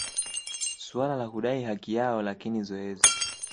suala la kudai haki yao lakini zoezi